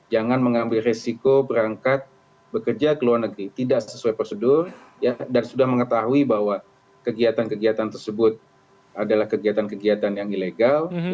jangan mengambil resiko berangkat bekerja ke luar negeri tidak sesuai prosedur dan sudah mengetahui bahwa kegiatan kegiatan tersebut adalah kegiatan kegiatan yang ilegal